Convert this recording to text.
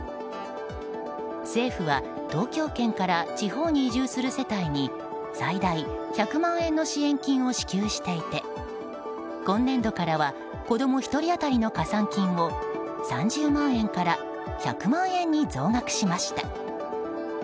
政府は東京圏から地方に移住する世帯に最大１００万円の支援金を支給していて今年度からは子供１人当たりの加算金を３０万円から１００万円に増額しました。